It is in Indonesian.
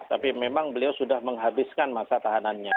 tapi memang beliau sudah menghabiskan masa tahanannya